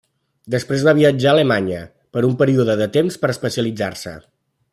Després va viatjar a Alemanya per un període de temps per especialitzar-se.